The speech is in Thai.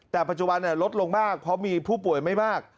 แต่ปัจจุบันลดลงมากเพราะมีผู้ป่วยไม่มาก